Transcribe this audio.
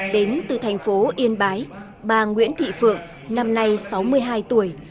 đến từ thành phố yên bái bà nguyễn thị phượng năm nay sáu mươi hai tuổi